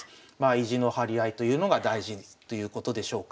意地の張り合いというのが大事ということでしょうか。